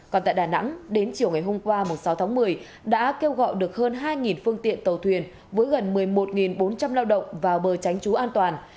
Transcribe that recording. còn tại đà nẵng đến chiều ngày hôm qua sáu tháng một mươi đã kêu gọi được hơn hai phương tiện tàu thuyền với gần một mươi một bốn trăm linh lao động vào bờ tránh trú an toàn